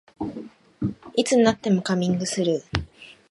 いつになってもカミングスーン